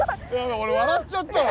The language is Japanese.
俺笑っちゃったわ。